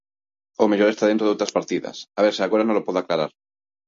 Ao mellor está dentro doutras partidas, a ver se agora nolo pode aclarar.